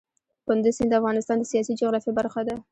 کندز سیند د افغانستان د سیاسي جغرافیه برخه ده.